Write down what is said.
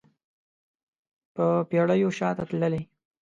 په پیړیو شاته تللی